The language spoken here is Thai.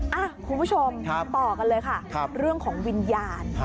ค่ะคุณผู้ชมต่อกันเลยค่ะ